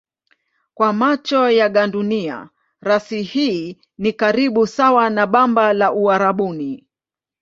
Kwa macho ya gandunia rasi hii ni karibu sawa na bamba la Uarabuni.